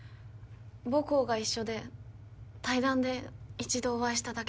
母校が一緒で対談で一度お会いしただけです。